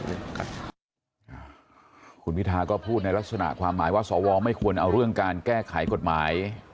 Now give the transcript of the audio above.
คุณพิทาก็พูดในลักษณะความหมายว่าสวไม่ควรเอาเรื่องการแก้ไขกฎหมาย